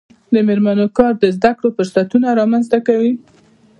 د میرمنو کار د زدکړو فرصتونه رامنځته کوي.